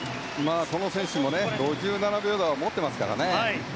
この選手も５７秒台を持っていますから。